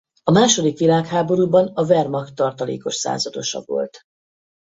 A második világháborúban a Wehrmacht tartalékos századosa volt.